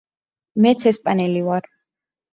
მეც ესპანელი ვარ.